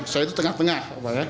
saya itu tengah tengah